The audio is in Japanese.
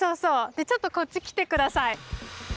でちょっとこっち来て下さい。